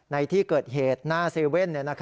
ในที่เกิดเหตุหน้าเซเว่น